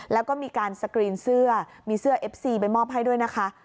แล้วก็มีการสกรีนเสื้อมีเสื้อเอฟซีไปมอบให้ด้วยนะคะ